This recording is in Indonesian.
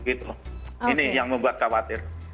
ini yang membuat khawatir